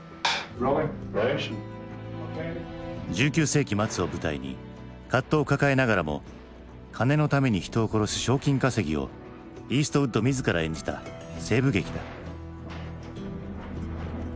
１９世紀末を舞台に葛藤を抱えながらも金のために人を殺す賞金稼ぎをイーストウッド自ら演じた西部劇だ。